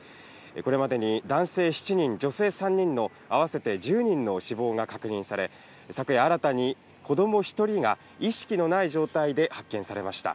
これまでに男性７人、女性３人の合わせて１０人の死亡が確認され、昨夜新たに子供１人が意識のない状態で発見されました。